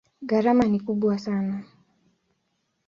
Gharama ni kubwa sana.